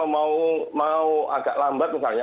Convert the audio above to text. mau agak lambat misalnya